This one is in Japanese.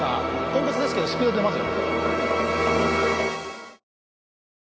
ポンコツですけどスピード出ますよ。